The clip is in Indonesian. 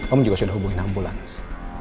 om juga sudah hubungin ambulans